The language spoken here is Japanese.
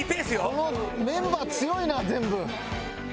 このメンバー強いな全部。